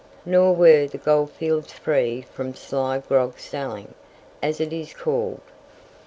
Nor were the goldfields free from "sly grog selling," as it is called.